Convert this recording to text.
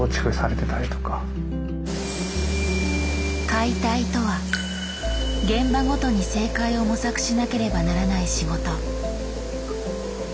「解体」とは現場ごとに正解を模索しなければならない仕事。